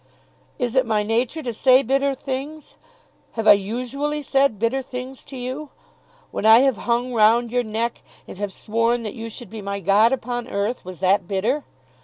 "Is it my nature to say bitter things? Have I usually said bitter things to you? When I have hung round your neck and have sworn that you should be my God upon earth, was that bitter?